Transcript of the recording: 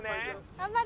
頑張れ！